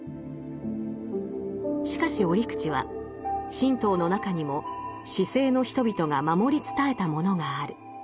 しかし折口は神道の中にも市井の人々が守り伝えたものがある。